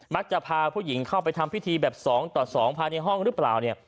พาผู้หญิงเข้าไปทำพิธีแบบ๒ต่อ๒ภายในห้องหรือเปล่าเนี่ย